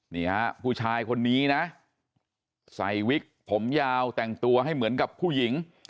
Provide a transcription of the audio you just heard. นี่ฮะผู้ชายคนนี้นะใส่วิกผมยาวแต่งตัวให้เหมือนกับผู้หญิง